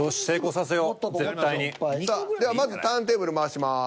さあではまずターンテーブル回します。